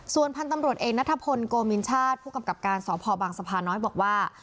ส่วนพันธุ์ตำรวจเอกนัทพลโกมินชาติผู้กำกับการสพบางสะพานน้อยบอกว่า